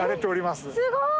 すごい。